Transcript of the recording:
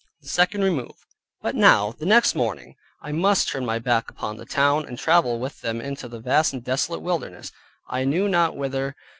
THE SECOND REMOVE But now, the next morning, I must turn my back upon the town, and travel with them into the vast and desolate wilderness, I knew not whither.